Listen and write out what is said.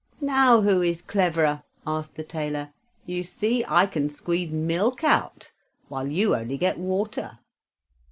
"Now who is cleverer?" asked the tailor. "You see, I can squeeze milk out, while you only get water."